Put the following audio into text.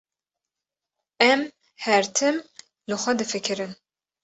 Em her tim li xwe difikirin.